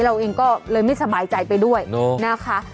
เราเองก็เลยไม่สบายใจไปด้วยนะคะ